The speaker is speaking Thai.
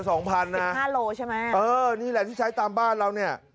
๑๕โลใช่ไหมนี่แหละที่ใช้ตามบ้านเราเนี่ย